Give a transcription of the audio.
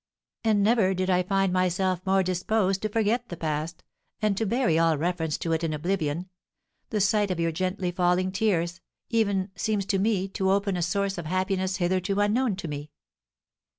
"And never did I find myself more disposed to forget the past, and to bury all reference to it in oblivion; the sight of your gently falling tears, even, seems to open to me a source of happiness hitherto unknown to me.